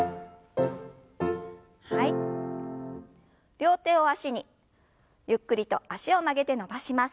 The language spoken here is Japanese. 両手を脚にゆっくりと脚を曲げて伸ばします。